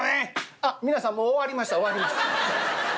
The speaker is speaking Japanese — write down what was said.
「あっ皆さんもう終わりました終わりました。